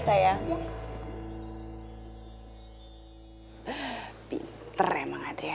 sampai ketemu lagi ma